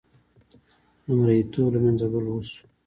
د مریې توب له منځه وړل وشو.